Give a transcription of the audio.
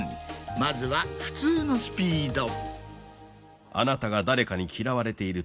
まずは普通のスピード。